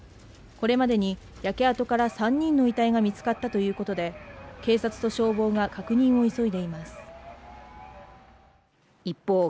これまでに焼け跡から３人の遺体が見つかったということで警察と消防が確認を急いでいます一方